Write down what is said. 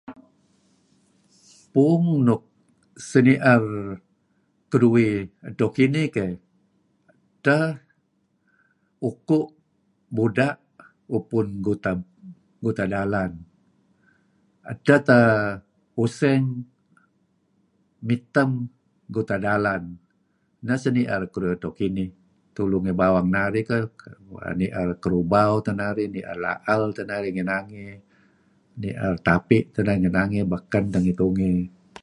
Puung nuk seni'er keduih edto kinih edtah uku' buda' upun guta dalan, edteh teh useng mitem guta dalan. Neh seni'er keduih edto kinih. Tulu ngi bawang narih narh ni'er kerubau teh narih, ni'er la'al teh narih, ni'er tapi' teh narih. Beken teh ngi tungey.